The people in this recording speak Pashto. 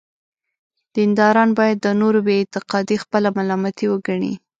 دینداران باید د نورو بې اعتقادي خپله ملامتي وګڼي.